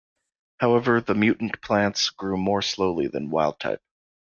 However, the mutant plants grew more slowly than wild-type.